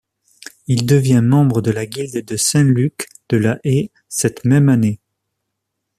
Il devient membre de la Guilde de Saint-Luc de La Haye cette même année.